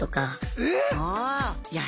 えっ⁉